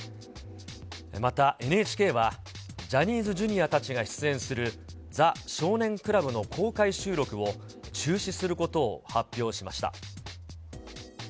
またＮＨＫは、ジャニーズＪｒ．たちが出演するザ少年倶楽部の公開収録を中止することを発表しました。